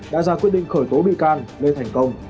đã ra quyết định khởi tố bị can lê thành công